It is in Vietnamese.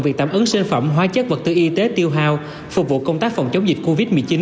việc tạm ứng sinh phẩm hóa chất vật tư y tế tiêu hào phục vụ công tác phòng chống dịch covid một mươi chín